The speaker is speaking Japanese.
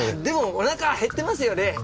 でもおなか減ってますよね？